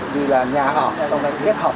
vì là nhà ở xong rồi kết hợp